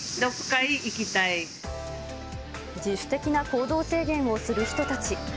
自主的な行動制限をする人たち。